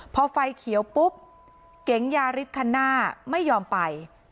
พอไฟเขียวปุ๊บเก๋งยาริสคันหน้าไม่ยอมไป